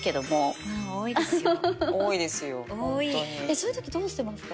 そういうときどうしてますか？